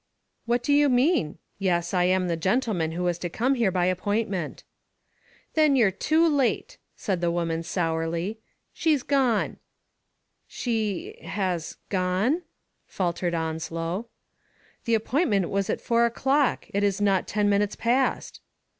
What do you mean? Yes, I am the gentle man who was to come here by appointment. 'Then you*re too late,*' said the woman sourly. "She's gone. "She — has — gone?" faltered Onslow. 'The appointment was at four o*clock. It is not ten minutes past.'